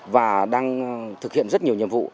và đang thực hiện rất nhiều nhiệm vụ